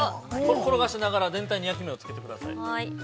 転がしながら、全体に焼き目をつけてください。